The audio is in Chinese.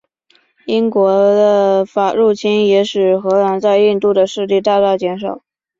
英法的入侵也使荷兰在印度的势力大大减少。